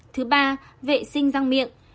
thứ ba vệ sinh răng miệng